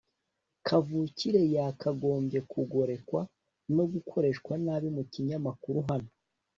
kavukire yakagombye kugorekwa no gukoreshwa nabi mubinyamakuru. hano